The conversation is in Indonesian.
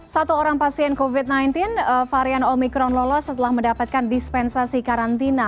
satu orang pasien covid sembilan belas varian omikron lolos setelah mendapatkan dispensasi karantina